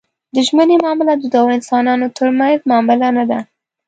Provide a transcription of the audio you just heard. د ژمنې معامله د دوو انسانانو ترمنځ معامله نه ده.